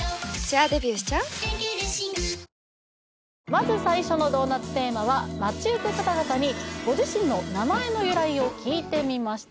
まず最初のドーナツテーマは街行く方々にご自身の名前の由来を聞いてみました